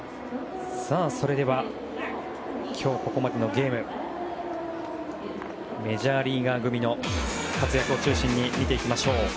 それでは、今日ここまでのゲームメジャーリーガー組の活躍を中心に見ていきます。